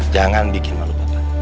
jangan bikin lalu lalu